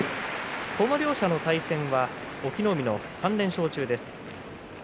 両者の対戦は隠岐の海の３連勝中です。